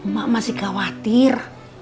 mak masih khawatir